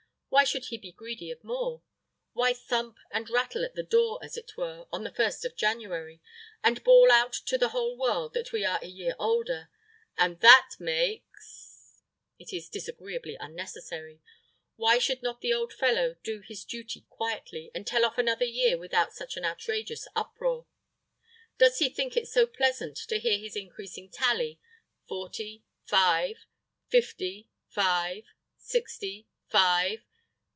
Why should he be greedy of more? Why thump and rattle at the door, as it were, on the first of January, and bawl out to the whole world that we are a year older, and that makes ! It is disagreeably unnecessary. Why should not the old fellow do his duty quietly, and tell off another year without such an outrageous uproar? Does he think it so pleasant to hear his increasing tally forty, five, fifty, five, sixty, five?